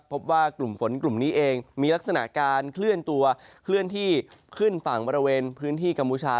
พบว่ากลุ่มฝนกลุ่มนี้เองมีลักษณะการเคลื่อนตัวเคลื่อนที่ขึ้นฝั่งบริเวณพื้นที่กัมพูชา